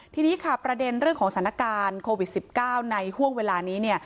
ทีนี้ค่ะประเด็นเรื่องของสถานการณ์โควิด๑๙ในห่วงเวลานี้เนี่ย